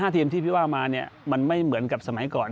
ทีมที่พี่ว่ามาเนี่ยมันไม่เหมือนกับสมัยก่อน